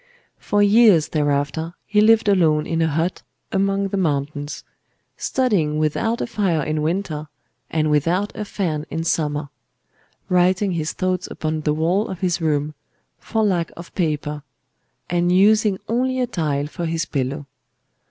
For years thereafter he lived alone in a hut among the mountains; studying without a fire in winter, and without a fan in summer; writing his thoughts upon the wall of his room—for lack of paper;—and using only a tile for his pillow.